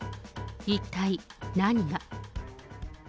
一体何が。